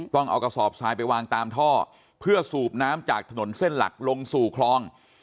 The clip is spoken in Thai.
ต้องเอากระสอบทรายไปวางตามท่อเพื่อสูบน้ำจากถนนเส้นหลักลงสู่คลอง